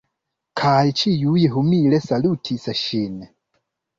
Kaj ĉiuj humile salutis ŝin.